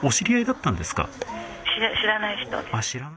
知らない人です。